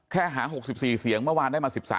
หา๖๔เสียงเมื่อวานได้มา๑๓